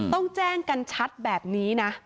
ต้องแจ้งกันชัดแบบนี้นะ